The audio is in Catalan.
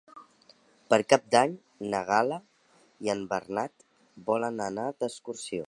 Per Cap d'Any na Gal·la i en Bernat volen anar d'excursió.